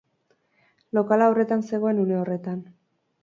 Lokala obretan zegoen une horretan.